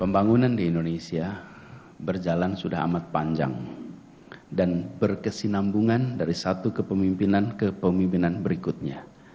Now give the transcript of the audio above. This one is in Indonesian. pembangunan di indonesia berjalan sudah amat panjang dan berkesinambungan dari satu kepemimpinan kepemimpinan berikutnya